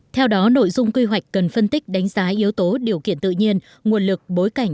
theo đó nội dung quy hoạch cần phân tích đánh giá yếu tố điều kiện tự nhiên nguồn lực bối cảnh